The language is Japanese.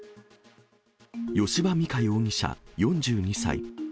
吉羽美華容疑者４２歳。